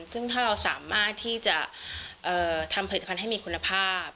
ซึ่งถ้าเราสามารถที่จะทำผลิตภัณฑ์ให้มีคุณภาพ